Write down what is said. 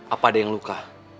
apa ada yang luka